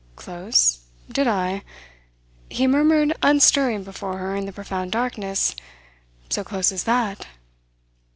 "Close? Did I?" he murmured unstirring before her in the profound darkness. "So close as that?"